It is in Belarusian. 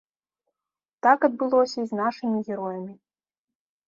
Так адбылося і з нашымі героямі.